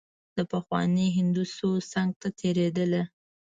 د پخواني هندو سوز څنګ ته تېرېدله.